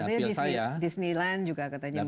katanya disneyland juga katanya mau